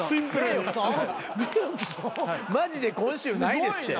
マジで今週ないですって。